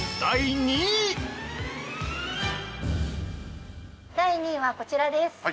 ◆第２位は、こちらです。